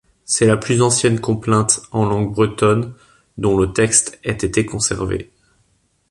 C'est la plus ancienne complainte en langue bretonne dont le texte ait été conservé.